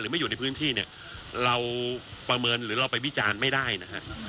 ไม่อยู่ในพื้นที่เนี่ยเราประเมินหรือเราไปวิจารณ์ไม่ได้นะฮะ